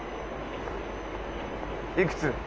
いくつ？